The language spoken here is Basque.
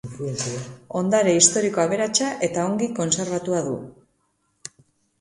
Ondare historiko aberatsa eta ongi kontserbatua du.